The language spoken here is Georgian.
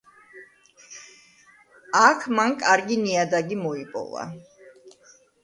აქ მან კარგი ნიადაგი მოიპოვა.